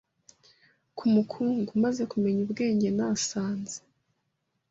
ku mukungu, maze kumenya ubwenge nasanze